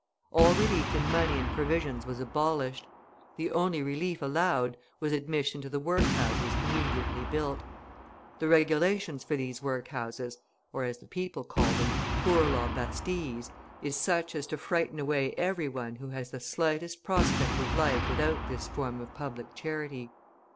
All relief in money and provisions was abolished; the only relief allowed was admission to the workhouses immediately built. The regulations for these workhouses, or, as the people call them, Poor Law Bastilles, is such as to frighten away every one who has the slightest prospect of life without this form of public charity.